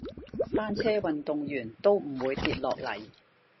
單車運動員都唔會跌落嚟